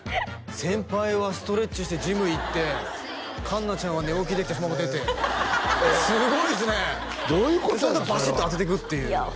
先輩はストレッチしてジム行って環奈ちゃんは寝起きで来てそのまま出てすごいですねどういうことやそれはそれでバシッと当てていくっていういや